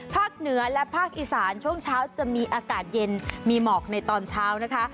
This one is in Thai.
เหนือและภาคอีสานช่วงเช้าจะมีอากาศเย็นมีหมอกในตอนเช้านะคะ